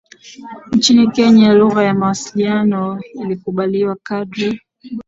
Nchini Kenya lugha ya mawasiliano ilikubaliwa kadri